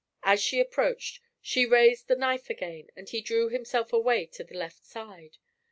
As she approached, she raised the knife again, and he drew himself away to the left side.